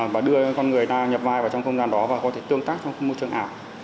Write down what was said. và đưa con người ta nhập vai vào trong không gian đó và có thể tương tác trong môi trường ảo